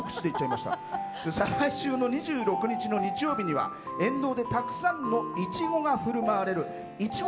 再来週の２６日の日曜日には沿道でたくさんのいちごがふるまわれるいちご